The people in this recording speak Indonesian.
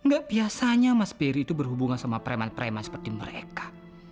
gak biasanya mas peri itu berhubungan sama preman preman seperti mereka